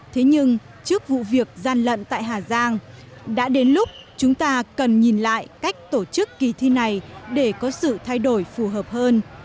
thế nhưng trước vụ việc gian lận tại hà giang đã đến lúc chúng ta cần nhìn lại cách tổ chức kỳ thi này để có sự thay đổi phù hợp hơn